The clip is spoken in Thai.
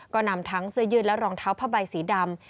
ก็นำทั้งเสื้อยืดและรองเท้าผ้าใบสีดำ